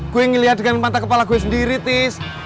gue ngeliat dengan mata kepala gue sendiri tis